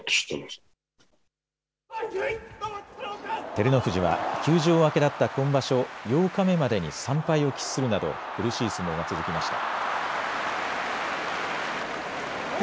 照ノ富士は休場明けだった今場所８日目までに３敗を喫するなど苦しい相撲が続きました。